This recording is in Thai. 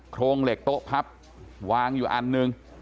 โครงเหล็กโต๊ะพับวางอยู่อันหนึ่ง